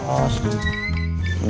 dede siapa itu